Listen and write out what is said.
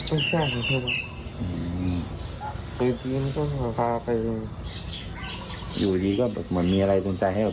อืมไปจีนก็จะพาไปอยู่ดีก็แบบเหมือนมีอะไรต้องใจให้